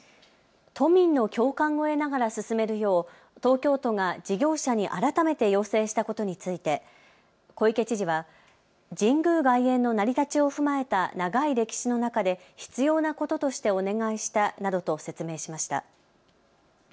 都民の共感を得ながら進めるよう東京都が事業者に改めて要請したことについて小池知事は神宮外苑の成り立ちを踏まえた長い歴史の中で必要なこととしてお願いしたなどと説明しました。